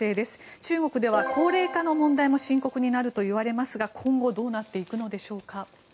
中国では高齢化の問題も深刻になるといわれますが今後どうなっていくのでしょうか。